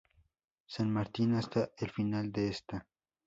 San Martín hasta el final de esta.